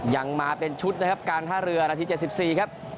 ยังมาเป็นชุดนะครับการท่าเรือนาที๗๔ครับ